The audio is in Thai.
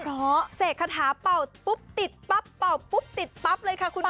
เพราะเสกคาถาเบาปุ๊บติดปับติดปับเลยค่ะคุณคะ